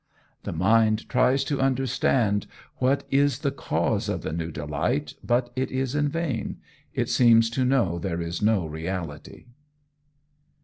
"The mind tries to understand what is the cause of the new delight, but it is in vain. It seems to know there is no reality."